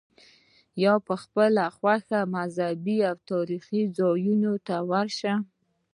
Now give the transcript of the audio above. یا په خپله خوښه مذهبي او تاریخي ځایونو ته ورشې.